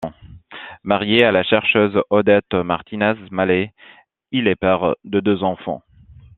Marié à la chercheuse Odette Martinez-Maler, il est père de deux enfants.